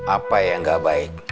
apa yang enggak baik